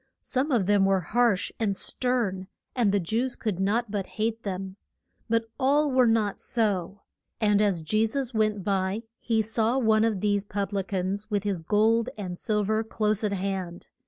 Some of them were harsh and stern, and the Jews could not but hate them. But all were not so. And as Je sus went by he saw one of these pub li cans with his gold and sil ver close at hand.